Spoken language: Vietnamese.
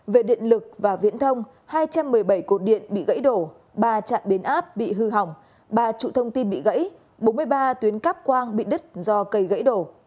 về điện lực và viễn thông hai trăm một mươi bảy cột điện bị gãy đổ ba trạm biến áp bị hư hỏng ba trụ thông tin bị gãy bốn mươi ba tuyến cắp quang bị đứt do cây gãy đổ